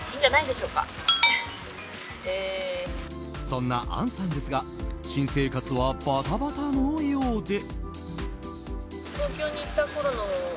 そんな杏さんですが新生活はバタバタのようで。